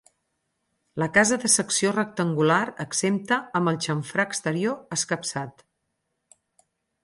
La casa de secció rectangular, exempta, amb el xamfrà exterior escapçat.